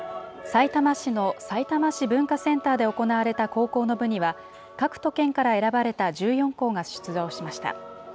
さいたま市のさいたま市文化センターで行われた高校の部には、各都県から選ばれた１４校が出場しました。